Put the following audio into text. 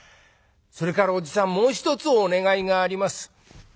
それからおじさんもう一つお願いがあります。